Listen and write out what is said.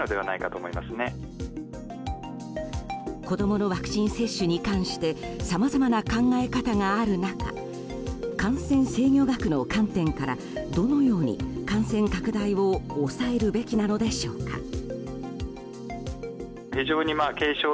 子供のワクチン接種に関してさまざまな考え方がある中感染制御学の観点からどのように感染拡大を抑えるべきなのでしょうか。